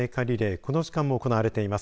この時間も行われています。